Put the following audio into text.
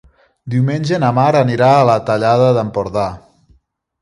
Diumenge na Mar anirà a la Tallada d'Empordà.